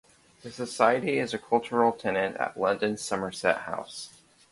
The society is a cultural tenant at London's Somerset House.